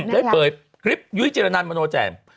ได้เปิดคลิปยุ้ยเจรนันมโนแจ่ม